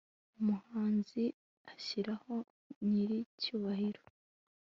Umuhanzi ashyiraho nyiricyubahiro